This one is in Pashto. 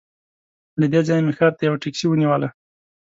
له دې ځایه مې ښار ته یوه ټکسي ونیوله.